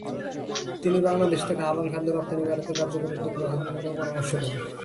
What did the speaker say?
তিনি বাংলাদেশ থেকে হালাল খাদ্য রপ্তানি বাড়াতে কার্যকর উদ্যোগ গ্রহণেরও পরামর্শ দেন।